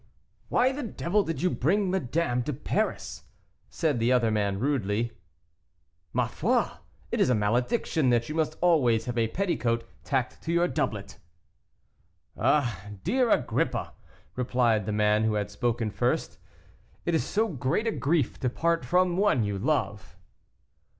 "Why the devil did you bring madame to Paris?" said the other man rudely. "Ma foi! it is a malediction that you must always have a petticoat tacked to your doublet!" "Ah, dear Agrippa," replied the man who had spoken first, "it is so great a grief to part from one you love."